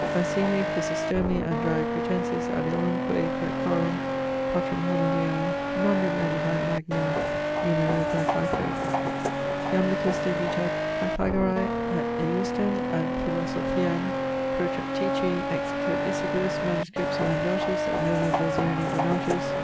Basilii, Chrysostomi, Andreae Cretensis, aliorumque Graecorum patrum Homiliae, nondum editae magno numero, Graecè, fol. Iamblichus de vita Pythagorae et ejusdem ad philosophiam protreptici, ex codicibus MSS. emendatus et nova versione donatus: 8vo.